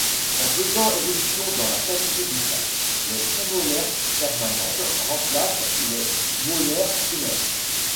En faisant éruption dans la cavité buccale, les prémolaires permanentes remplacent les molaires primaires.